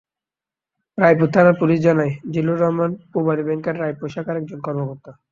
রায়পুর থানার পুলিশ জানায়, জিল্লুর রহমান পূবালী ব্যাংকের রায়পুর শাখার একজন কর্মকর্তা।